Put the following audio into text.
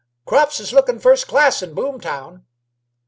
"Crops is looking first class in Boomtown.